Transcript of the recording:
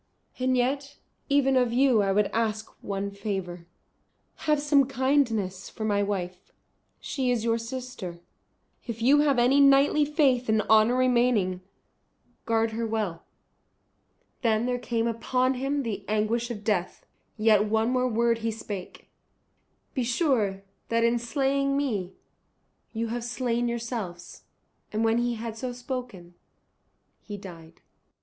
And yet even of you I would ask one favour. Have some kindness for my wife. She is your sister; if you have any knightly faith and honour remaining, guard her well." Then there came upon him the anguish of death. Yet one more word he spake, "Be sure that in slaying me you have slain yourselves." And when he had so spoken he died.